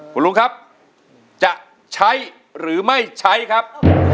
คุณลุงครับจะใช้หรือไม่ใช้ครับ